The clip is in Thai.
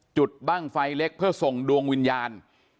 บ้างไฟเล็กเพื่อส่งดวงวิญญาณ